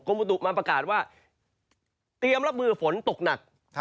บุตุมาประกาศว่าเตรียมรับมือฝนตกหนัก